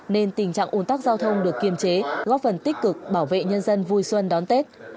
nên tình trạng ồn tắc giao thông được kiềm chế góp phần tích cực bảo vệ nhân dân vui xuân đón tết